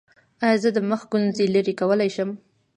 ایا زه د مخ ګونځې لرې کولی شم؟